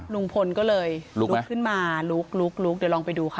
ลุงพลก็เลยลุกขึ้นมาลุกลุกเดี๋ยวลองไปดูค่ะ